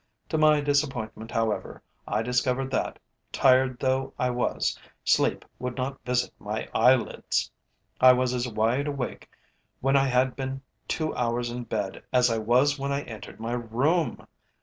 To my disappointment, however, I discovered that, tired though I was, sleep would not visit my eyelids. I was as wide awake when I had been two hours in bed as I was when I entered my room.